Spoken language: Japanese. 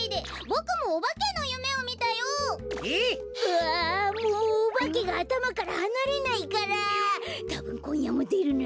あもうおばけがあたまからはなれないからたぶんこんやもでるな。